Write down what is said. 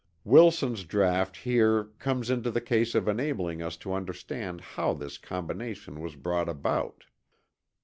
Wilson's draught here comes into the case enabling us to understand how this combination was brought about.